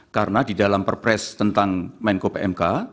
karena di dalam perpres tentang menko pmk